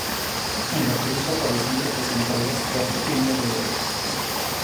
En la cruz aparecen representadas cuatro piñas de oro.